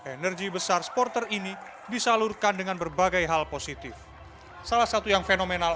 energi besar supporter ini disalurkan dengan berbagai hal positif salah satu yang fenomenal